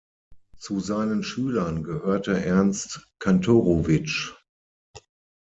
Zu seinen Schülern gehörte Ernst Kantorowicz.